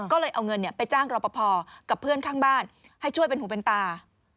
ก็เลยเอาเงินไปจ้างรอปภกับเพื่อนข้างบ้านให้ช่วยเป็นหูเป็นตา